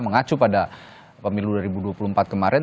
mengacu pada pemilu dua ribu dua puluh empat kemarin